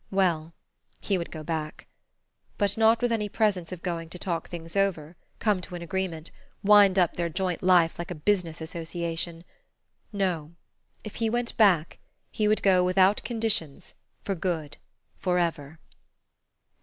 Well he would go back. But not with any presence of going to talk things over, come to an agreement, wind up their joint life like a business association. No if he went back he would go without conditions, for good, forever....